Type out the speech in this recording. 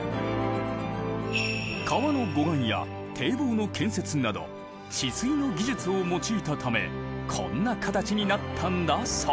川の護岸や堤防の建設など治水の技術を用いたためこんな形になったんだそう。